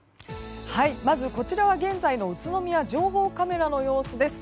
こちらは現在の宇都宮情報カメラの様子です。